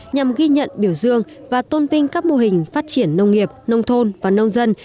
nhằm ghi nhận biểu dương và tôn vinh các mô hình phát triển nông nghiệp nông thôn và nông dân